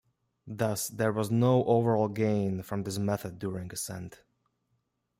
Thus, there was no overall gain from this method during ascent.